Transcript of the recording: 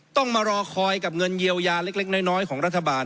ต้องมารอคอยกับเงินเยียวยาเล็กน้อยของรัฐบาล